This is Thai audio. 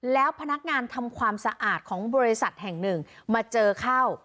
แล้วพนักงานทำความสะอาดของบริษัทแห่งหนึ่งมาเจอเข้า